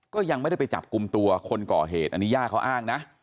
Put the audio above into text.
ก็ยังไม่ได้ไปจับกลุ่มตัวคนก่อเหตุอันนี้ย่าเขาอ้างนะ